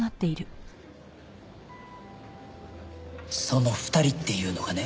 その２人っていうのがね